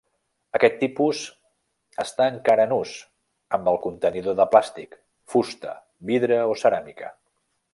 Aquest tipus està encara en ús, amb el contenidor de plàstic, fusta, vidre o ceràmica.